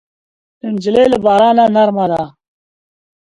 نجلۍ له بارانه نرمه ده.